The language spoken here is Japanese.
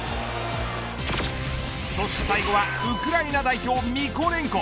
そして最後はウクライナ代表ミコレンコ。